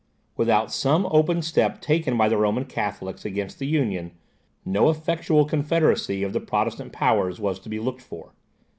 Without some open step taken by the Roman Catholics against the Union, no effectual confederacy of the Protestant powers was to be looked for.